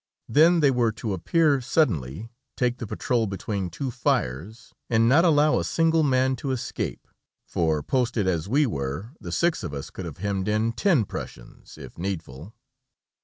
Then they were to appear suddenly, take the patrol between two fires, and not allow a single man to escape, for posted as we were, the six of us could have hemmed in ten Prussians, if needful.